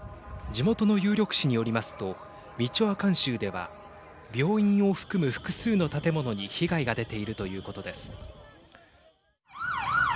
地元の有力紙によりますとミチョアカン州では病院を含む複数の建物に被害が出ているということです。